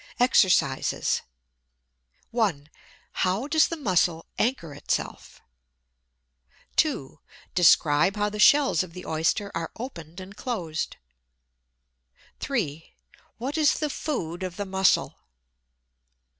EXERCISES 1. How does the Mussel anchor itself? 2. Describe how the shells of the Oyster are opened and closed. 3. What is the food of the Mussel?